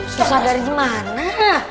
susah dari mana